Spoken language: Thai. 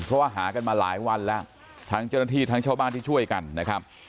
เพราะว่าหากันมาหลายวันแล้วทั้งเจ้าหน้าที่ทั้งชาวบ้านที่ช่วยกันนะครับ